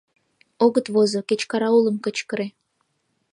Огыт возо, кеч караулым кычкыре.